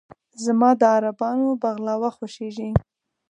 زما د عربانو "بغلاوه" خوښېږي.